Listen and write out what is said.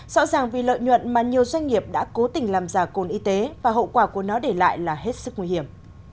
rõ ràng vì lợi nhuận mà nhiều doanh nghiệp đã cố tình làm giả cồn y tế và hậu quả của nó để lại là hết sức nguy hiểm